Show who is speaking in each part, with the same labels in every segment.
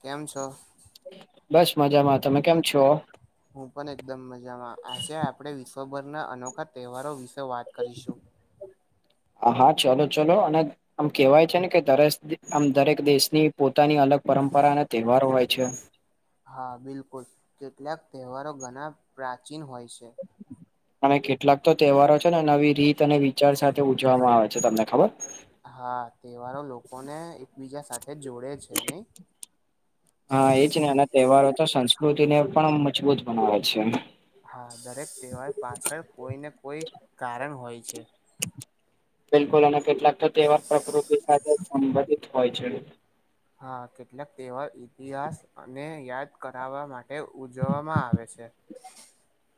Speaker 1: કેમ છો
Speaker 2: બસ મજામાં તમે કેમ છો
Speaker 1: હું પણ એકદમ મજામાં આજે આપણે વિશ્વભરના અનોખા તહેવારો વિશે વાત કરીશું
Speaker 2: હા ચલો ચલો અને આમ કેહેવાય છે ને કે દરે આમ દરેક દેશ ની પોતાની અલગ પરંપરા અને તહેવારો હોય છે
Speaker 1: હા બિલકુલ કેટલાક તહેવારો ઘણા પ્રાચીન હોય છે
Speaker 2: અને કેટલાક તો તહેવારો છે ને નવી રીત અને વિચાર સાથે ઉજવામાં આવે છે તમને ખબર
Speaker 1: હા તહેવારો લોકોને બીજા સાથે જોડે છે નહી
Speaker 2: હા એજ ને અને તહેવારો તો સંસ્કૃતિ ને પણ મજબૂત બનાવે છે
Speaker 1: હા દરેક તહેવાર પાછળ કોઈને કોઈ કારણ હોય છે
Speaker 2: બિલકુલ અને કેટલાક તો તહેવાર પ્રકૃતિ સાથે સંબંધિત હોય છે
Speaker 1: હા કેટલાક તહેવાર ઇતિહાસ અને યાદ કરાવવા માટે ઉજવવામાં આવે છે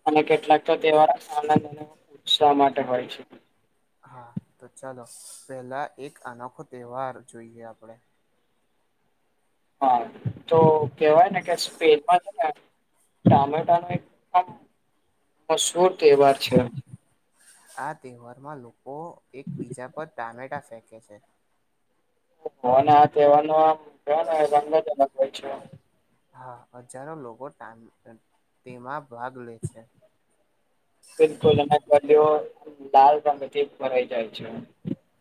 Speaker 2: અને કેટલાક તો તહેવારો આનંદ ઉત્સાહ માટે હોય છે.
Speaker 1: હા તો ચાલો પેલા એક અનોખો તહેવાર જોઈએ આપણેે
Speaker 2: હા તો કેવાય ને કે સ્પેનમાં છે ને ટામેટા નો એક મશૂર તહેવાર છે
Speaker 1: આ તહેવારમાં લોકો એક બીજા પર ટામેટા સેકે છે
Speaker 2: અને આ તહેવારનો આમ કને રંગ જ અલગ હોય છે
Speaker 1: હા હજારો લોકો ટ તેમાં ભાગ લે છે
Speaker 2: બિલકુલ અ લાલ રંગથી ભરાઈ જાય છે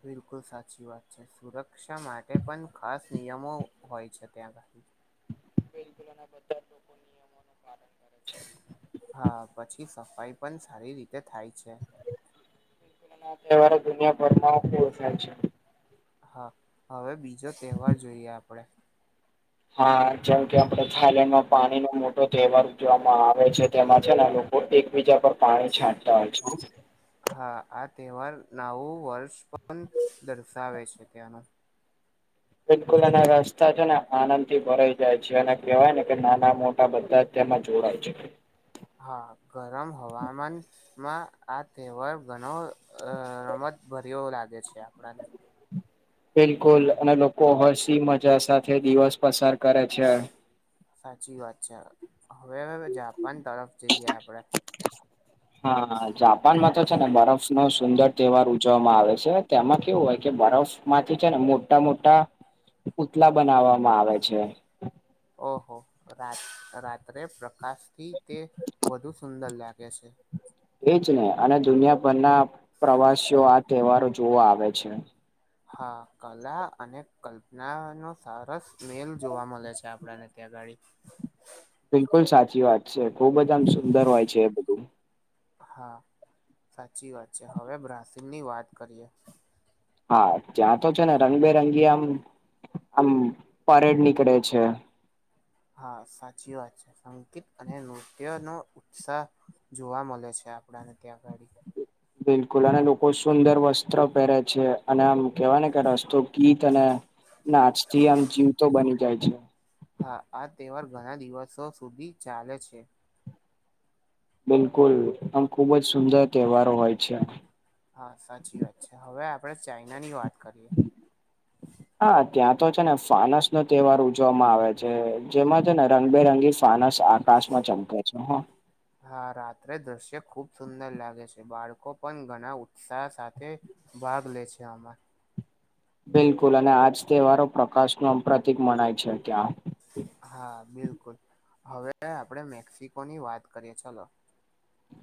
Speaker 1: બિલકુલ સાચી વાત છે સુરક્ષા માટે પણ ખાસ નિયમો હોય છે ત્યાં ભહી
Speaker 2: બિલકુલ અને બધા જ લોકો નિયમો નુ પાલન કરે છે.
Speaker 1: હા પછી સફાઈ પણ સારી રીતે થાય છે
Speaker 2: અહેવારે દુનિયાભરમાંય છે.
Speaker 1: હા હવે બીજો તહેવાર જોઈએ આપણેે
Speaker 2: હા જેમ કે આપે થાઈલેન્ડમાં પાણી નો મોટો તહેવાર ઉજવામાં આવે છે તેમાં છે ને એકબીજા પર પાણી છાંટતા હોય છે.
Speaker 1: હા આ તહેવાર નવું વર્ષ પણ દર્શાવે છે ત્યાંનું
Speaker 2: બિલકુલ એના રસ્તા છે ને આનંદ થી ભરાઈ જાય છે અને કહેવાય ને કે નાના મોટા બધા જ તેમાં જોડાય છે
Speaker 1: હા ગરમ હવામાનમાં આ તહેવાર બણવ અ રમત ભર્યો લાગે છે આપણને
Speaker 2: બિલકુલ અને લોકો હસી મજા સાથે દિવસ પસાર કરે છે
Speaker 1: સાચી વાત છે હવે હવે જાપાન તરફ જઈએ આપણે.
Speaker 2: હા જાપાનમાં તો છે ને બરફ નો સુંદર તહેવાર ઉજવવામાં આવે છે તેમાં કેવું હોય કે બરફ માંથી છે ને મોટા મોટા પુતલા બનાવવામાં આવે છે.
Speaker 1: ઓહો રા રાત્રે પ્રકાશથી તે વધુ સુંદર લાગે છે
Speaker 2: એજ ને અને દુનિયાભરના પ્રવાસીઓ આ તહેવારો જોવા આવે છે.
Speaker 1: હા કલા અને કલ્પના નો સરસ મેલ જોવા મળે છે આપણને ત્યાં ગાડી.
Speaker 2: બિલકુલ સાચી વાત છે ખુબ જ આમ સુંદર હોય છે એ બધું.
Speaker 1: હા સાચી વાત છે, હવે બ્રાસિલ ની વાત કરીએ.
Speaker 2: હા ત્યાં તો છે ને રંગબેરંગી આમ આમ પરેડ નીકળે છે.
Speaker 1: હા સાચી વાત છે સંગીત અને નૃત્ય નો ઉત્સાહ જોવા મળે છે આપણાને ત્યાંગાડી.
Speaker 2: બિલકુલ અને લોકો સુંદર વસ્ત્ર પહેરે છે, અને આમ કેવાય ને કે રસ્તો ગીત અને નાચથી આમ જીવ તો બની જાય છે.
Speaker 1: હા આ તહેવાર ઘણા દિવસો સુધી ચાલે છે.
Speaker 2: બિલકુલ આમ ખુબ જ સુંદર તહેવારો હોય છે.
Speaker 1: હા સાચી વાત છે હવે આપણે ચાઈના ની વાત કરીએ.
Speaker 2: હા ત્યાં તો છે ને ફાનસ નો તહેવાર ઉજવામાં આવે છે જેમાં છે ને રંગબેરંગી ફાનસ આકાશ માં ચમકે છે.
Speaker 1: હા રાત્રે દ્રશ્ય ખુબ સુંદર લાગે છે બાળકો પણ ઘણા ઉત્સાહ સાથે ભાગ લે છે આમાં.
Speaker 2: બિલકુલ અને આજ તહેવારો પ્રકાશ ન આમ પ્રતિક મનાય છે ત્યા.
Speaker 1: હા બિલકુલ હવે આપડે મેક્સિકોની વાત કરીએ ચલો.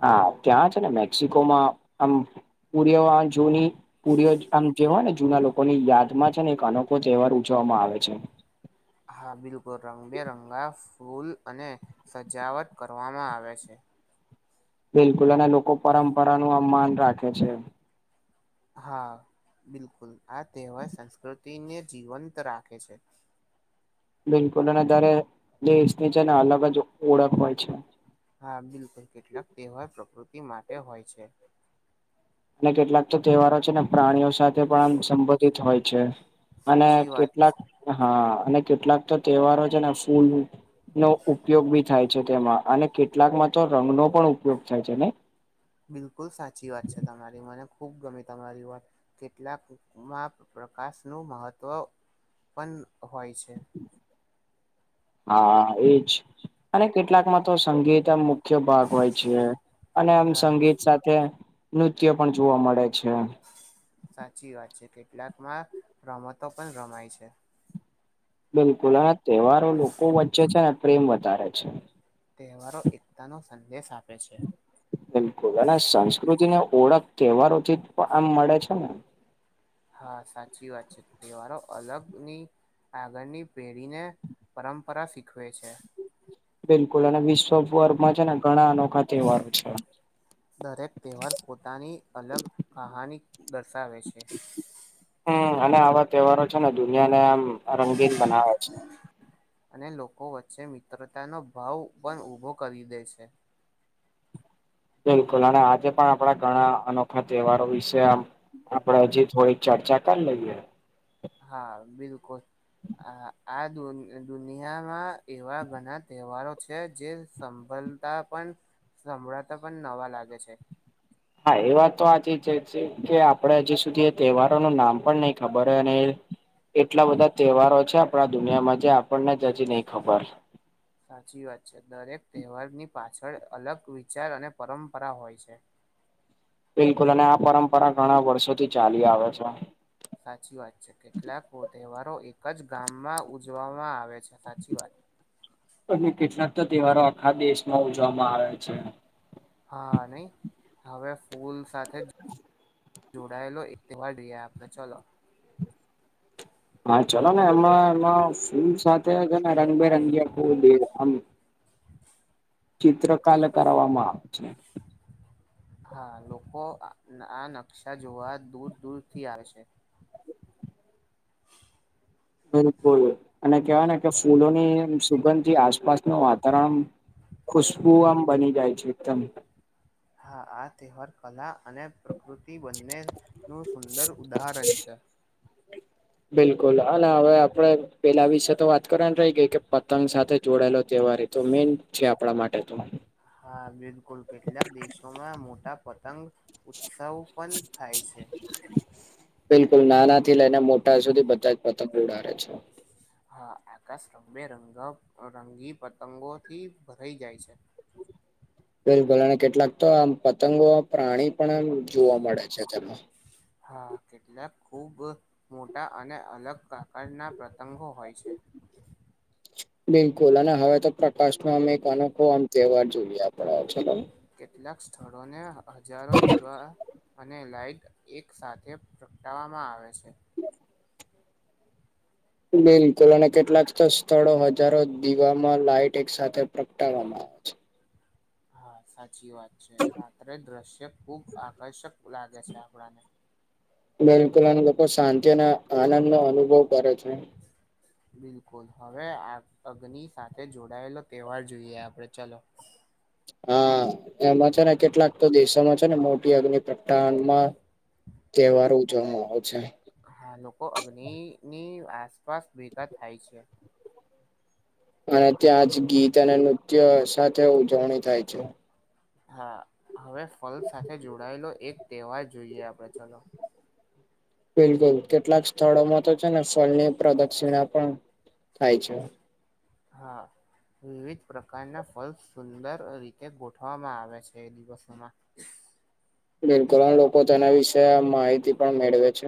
Speaker 2: હા ત્યાં છે ને મેક્સિકોમાં આમ પુરીએ વા જૂની કુરયો આમ જેવાય ને જુના લોકોની યાદમાં છે ને એક અનોખો તહેવાર ઉજવવામાં આવે છે.
Speaker 1: હા બિલકુલ રંગબેરંગા ફૂલ અને સજાવટ કરવામાં આવે છે.
Speaker 2: બિલકુલ અને લોકો પરંપરાનું માન રાખે છે.
Speaker 1: હા બિલકુલ આ તહેવાર સંસ્કૃતિને જીવંત રાખે છે.
Speaker 2: બિલકુલ અને તારે દેશની છે ને અલગ જ ઓળખ હોય છે.
Speaker 1: હા બિલકુલ કેટલાક તહેવાર પ્રકૃતિ માટે હોય છે.
Speaker 2: અને કેટલાક તો તહેવારો છે ને પ્રાણીઓ સાથે પણ આમ સંબોધિત હોય છે. અને
Speaker 1: સાચી વાત
Speaker 2: કેટલાક
Speaker 1: છે
Speaker 2: હા અને કેટલાક તો તહેવારો છે ને ફૂલ નો ઉપયોગ બી થાય છે તેમાં અને કેટલાકમાં તો રંગ નો પણ ઉપયોગ થાય છે ને.
Speaker 1: બિલકુલ સાચી વાત છે તમારી મને ખુબ ગમે તમારી વાત. કેટલાકમાં પ્રકાશ નું મહત્વ પણ હોય છે.
Speaker 2: હા એજ અને કેટલાક માં તો સંગીત મુખ્ય ભાગ હોય છે અને આમ
Speaker 1: હા
Speaker 2: સંગીત સાથે નૃત્ય પણ જોવા મળે છે.
Speaker 1: સાચી વાત છે કેટલાકમાં રમતો પણ રમાય છે.
Speaker 2: બિલકુલ અને તહેવારો લોકો વચ્ચે છે ને પ્રેમ વધારે છે.
Speaker 1: તહેવારો એકતાનો સંદેશ આપે છે.
Speaker 2: બિલકુલ અને સંસ્કૃતિ ને ઓળખ તહેવારોથી પણ આમ મળે છે ને.
Speaker 1: હા સાચી વાત છે તહેવારો અલગ ની આગળની પેઢીને પરંપરા શીખવે છે.
Speaker 2: બિલકુલ અને વિશ્વ ભર માં છે ને ઘણા અનોખા તહેવારો છે.
Speaker 1: દરેક તહેવાર પોતાની અલગ કહાની દર્શાવે છે.
Speaker 2: હમ અને આવા તહેવારો છે ને દુનિયા ને આમ રંગીન બનાવે છે.
Speaker 1: અને લોકો વચ્ચે મિત્રતાનો ભાવ પણ ઊભો કરી દે છે.
Speaker 2: બિલકુલ અને આજે પણ આપણા ઘણા અનોખા તહેવારો વિશે આમ આપડે હજી થોડીક ચર્ચા કરી લઈએ.
Speaker 1: હા બિલકુલ. આ આ દુનિયામાં એવા ઘણા તહેવારો છે જે સંબલ પણ સંભળાતા પણ નવા લાગે છે.
Speaker 2: હા એ વાત તો આથી જ જે છે કે આપડે હજી સુધી એ તહેવારો નું નામ પણ નહી ખબર અને એટલા બધા તહેવારો છે આપણા દુનિયામાં જે આપણને જ હજી નહીં ખબર.
Speaker 1: [inaudible] સાચી વાત છે દરેક તહેવારની પાછળ અલગ વિચાર અને પરંપરા હોય છે.
Speaker 2: બિલકુલ અને આ પરંપરા ઘણા વર્ષોથી ચાલી આવે છે.
Speaker 1: સાચી વાત છે કેટલાક તહેવારો એક જ ગામમાં ઉજવામાં આવે છે સાચી વાત
Speaker 2: અને કેટલાક તો તહેવારો આખા દેશમાં ઉજવામાં આવે છે.
Speaker 1: હા નહી હવે ફૂલ સાથે જ જોડાયેલો એક તહેવાર [unintelligible] આપણે ચલો.
Speaker 2: હા ચલો ને એમાં એમાં ફૂલ સાથે હેન રંગબેરંગી ફૂલ દે હું આમ ચિત્ર કલ કરવામાં આવે છે.
Speaker 1: હા લોકો અ આ નકશા જોવા દૂર દૂર થી આવે છે.
Speaker 2: બિલકુલ અને કહેવાય ને કે ફૂલોની સુગંધથી આસ આસપાસનું વાતાવરણ ખુશ્બુ આમ બની જાય છે એકદમ.
Speaker 1: હા આ તહેવાર કલા અને પ્રકૃતિ બંનેનું સુંદર ઉદાહરણ છે. [inaudible]
Speaker 2: બિલકુલ અને હવે આપડે પેલા વિશે તો વાત કરવાની રહી ગઈ કે પતંગ સાથે જોડાયેલો તહેવાર એ તો મેન છે આપણા માટે તો.
Speaker 1: હા બિલકુલ કેટલાક દેશોમાં મોટા પતંગ ઉત્સવુ પણ થાય છે.
Speaker 2: બિલકુલ નાના થી લઈને મોટા સુધી બધા જ પતંગ ઉડાવે છે.
Speaker 1: હા આકાશ રબે રંગ રંગી પતંગોથી ભરાઈ જાય છે.
Speaker 2: બિલકુલ અને કેટલાક તો આમ પતંગો પ્રાણી પણ આમ જોવા મળે છે તેમાં.
Speaker 1: હા કેટલાક ખુબ મોટા અને અલગ પ્રકારના પ્રતંગો હોય છે.
Speaker 2: બિલકુલ અને હવે તો પ્રકાશ માં અમે અનોખો આમ તહેવાર જોઈયા [unintelligible]
Speaker 1: કેટલાક સ્થળોને હજારો દીવા અને લાઇટ એક સાથે પ્રગટાવામાં આવે છે.
Speaker 2: બિલકુલ અને કેટલાક તો સ્થ થળો હજારો દીવામાં લાઈટ એક સાથે પ્રગટાવામાં આવે છે.
Speaker 1: હા સાચી વાત છે રાત્રે દ્રશ્ય ખુબ આકર્ષક લાગે છે આપણાને.
Speaker 2: બિલકુલ અને લોકો શાંતિ અને આનંદ નો અનુભવ કરે છે.
Speaker 1: [inaudible] બિલકુલ હવે આ અગ્નિ સાથે જોડાયેલો તહેવાર જોઈએ આપડે ચલો.
Speaker 2: હા એમાં છે ને કેટલાક તો દેશોમાં છે ને મોટી અગ્નિ પ્રગટા વનમાં તહેવારો ઉજવવામાં આવ છે.
Speaker 1: હા લોકો અગ્નિની ની આસપાસ ભેગા થાય છે.
Speaker 2: અને ત્યાં જ ગીત અને નૃત્ય સાથે ઉજવણી થાય છે.
Speaker 1: હા હવે ફલ સાથે જોડાયેલો એક તહેવાર જોઈએ આપડે ચલો.
Speaker 2: બિલકુલ કેટલાક સ્થળોમાં તો છે ને ફળની પ્રદક્ષિણા પણ થાય છે.
Speaker 1: હા. વિવિધ પ્રકારના ફલ સુંદર રીતે ગોઠવામાં આવે છે દિવસોમાં.
Speaker 2: બિલકુલમ આ લોકો તેના વિશે આ માહિતી પણ મેળવે છે.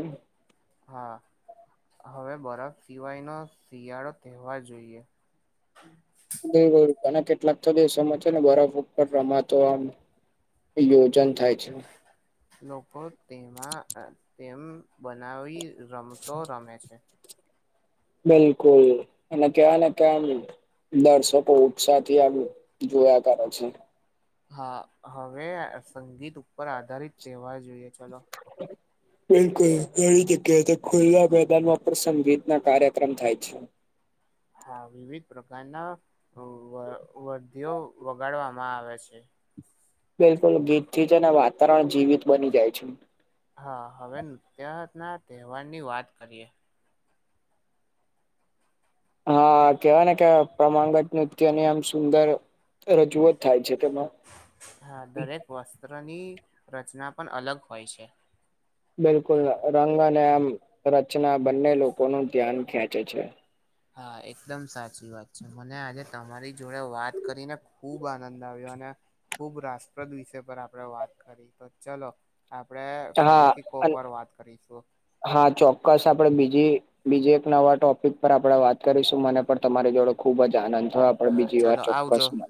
Speaker 1: હા હવે બરફ સિવાયનો શિયાળો તહેવાર જોઈએ.
Speaker 2: બિલકુલ અને કેટલાક તો દેશોમાં છે ને બરફ ઉપર રમાતો આમ યોજન થાય છે.
Speaker 1: લોકો તેમાં તેમ બનાવી રમતો રમે છે.
Speaker 2: બિલકુલ અને કહેવાના કે આમ દર્શકો ઉત્સાહ થી આમ જોવાતા હોય છે.
Speaker 1: હા હવે સંગીત ઉપર આધારિત તહેવાર જોઈએ ચલો.
Speaker 2: બિલકુલ ઘ જગ્યા ખુલ્લા મેદાનમાં પણ સંગીત ના કાર્યક્રમ થાય છે.
Speaker 1: હા વિવિધ પ્રકારના વ વર્ધિઓ વગાડવામાં આવે છે.
Speaker 2: બિલકુલ ગીત થી જ અને વાતાવરણ જીવિત બની જાય છે.
Speaker 1: હા હવે ત્યાં ના તહેવાર ની વાત કરીએ.
Speaker 2: હા કેવાય ને કે પ્રમાંંગત નૃત્યની આમ સુંદર રજૂ જ થાય છે કે
Speaker 1: હા દરેક વસ્ત્રની રચના પણ અલગ હોય છે.
Speaker 2: બિલકુલ રંગ અને આમ રચના બંને લોકો ન ધ્યાન ખેંચે છે.
Speaker 1: હા એકદમ સાચી વાત છે મને આજે તમારી જોડે વાત કરીને ખુબ આનંદ આવ્યો અને ખુબ રાપ્રદ વિષય પર આપણે વાત કરી તો ચલો આપડણે
Speaker 2: હા
Speaker 1: ફરીથી કોક
Speaker 2: અન
Speaker 1: વાર વાત કરીશું.
Speaker 2: હા ચોક્કસ આપણે બીજી બીજ એક નવા ટોપિક પર આપણેે વાત કરીશું મને પણ તમારી જોડે ખુબ જ આનંદ થયો પણ
Speaker 1: હા
Speaker 2: બીજી વાર
Speaker 1: ચાલો આવજો.
Speaker 2: ચોક્કસ મને